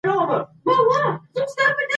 د پښتو د اصلاح لپاره باید یو اکاډمیک مرکز جوړ سي.